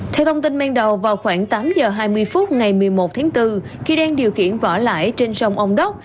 theo thông tin ban đầu vào khoảng tám h hai mươi phút ngày một mươi một tháng bốn khi đang điều khiển vỏ lãi trên sông ông đốc